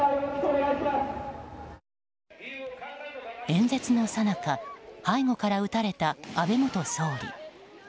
演説のさなか背後から撃たれた安倍元総理。